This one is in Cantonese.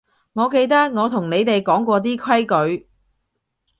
我記得我同你哋講過啲規矩